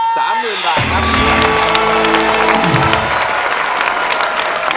สามหมื่นบาทครับ